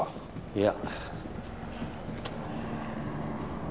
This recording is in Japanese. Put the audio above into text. いや。